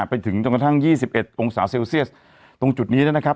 ไปถึงจนกระทั่งยี่สิบเอ็ดองศาเซลเซียสต์ตรงจุดนี้นะครับ